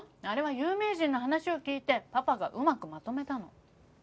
あれは有名人の話を聞いてパパがうまくまとめたの。